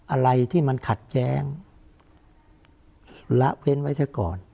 อะไรที่มันขัดแย้งละเว้นไว้เถอะก่อน